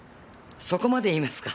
そこまで言いますか。